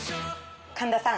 神田さん。